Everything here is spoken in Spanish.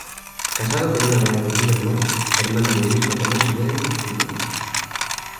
Casado con Ana Bryan Livermore, hermana de obispo Tomás Bryan Livermore.